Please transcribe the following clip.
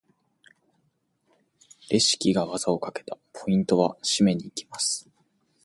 レシキが技をかけた！ポイントは？締めに行きます！